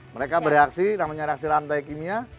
mereka bereaksi namanya reaksi rantai kimia